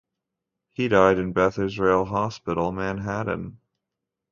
He died in Beth Israel Hospital in Manhattan.